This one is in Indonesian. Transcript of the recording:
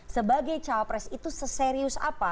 sebagai cawapres itu seserius apa